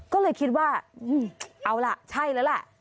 ก็เลยคิดว่าเอาล่ะใช่แล้วล่ะ